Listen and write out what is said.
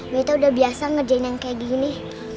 mereka udah biasa ngerjain yang kayak gini